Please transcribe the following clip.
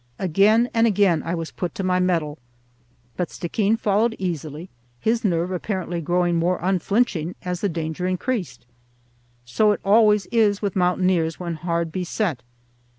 Again and again I was put to my mettle, but Stickeen followed easily, his nerve apparently growing more unflinching as the danger increased. So it always is with mountaineers when hard beset.